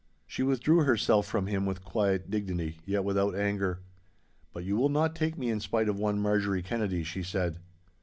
She withdrew herself from him with quiet dignity, yet without anger. 'But you will not take me in spite of one Marjorie Kennedy,' she said.